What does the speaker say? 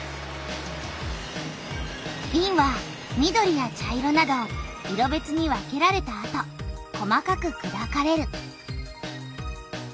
びんは緑や茶色など色べつに分けられたあと細かくくだかれる。